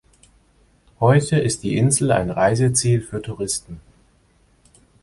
Heute ist die Insel ein Reiseziel für Touristen.